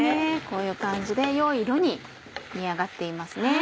こういう感じで良い色に煮上がっていますね。